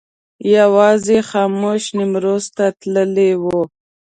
یوازې خاموش نیمروز ته تللی و.